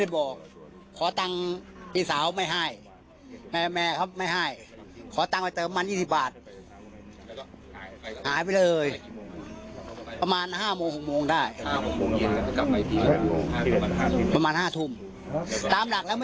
ก็คือใช้เงินเก่ง